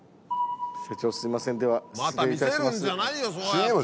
社長すいませんでは失礼いたします。